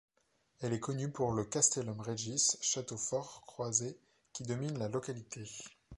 Elle est connue pour le Castellum Regis, château fort croisé, qui domine la localité.